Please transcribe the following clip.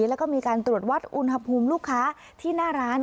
แล้วก็มีการตรวจวัดอุณหภูมิลูกค้าที่หน้าร้าน